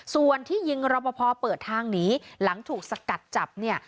ส่วนที่ยิงรอปภเปิดทางหนีหลังถูกสกัดจับเนี่ย